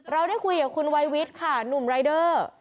เราได้คุยกับคุณวัยวิทย์ค่ะหนุ่มรายเดอร์